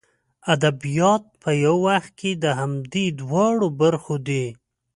ادبیات په یو وخت کې د همدې دواړو برخو دي.